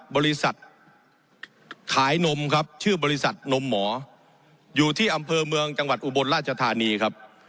บริษัทขายนมครับชื่อบริษัทนมหมออยู่ที่อำเภอเมืองจังหวัดอุบลราชธานีครับ